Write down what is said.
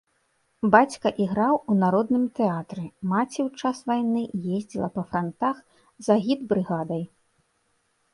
Бацька іграў у народным тэатры, маці ў час вайны ездзіла па франтах з агітбрыгадай.